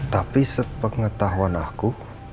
tapi sepengetahuan aku